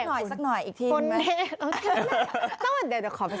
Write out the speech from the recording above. เอาให้สักหน่อยสักหน่อยอีกที